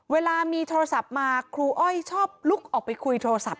เวลามีโทรศัพท์มาครูอ้อยชอบลุกออกไปคุยโทรศัพท์